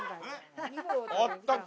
あったか。